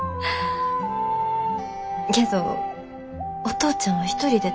けどお父ちゃんは一人で大丈夫？